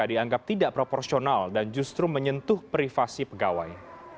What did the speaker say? dianggap tidak proporsional dan justru menyentuh privasi pegawai